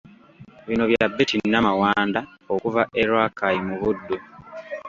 Bino bya Betty Namawanda okuva e Rakai mu Buddu.